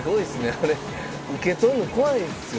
「あれ受け取るの怖いですよ」